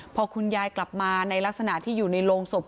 พอคุณยายกลับมาในลักษณะที่อยู่ในโรงศพ